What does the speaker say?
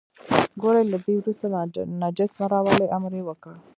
ګورئ له دې وروسته دا نجس مه راولئ، امر یې وکړ.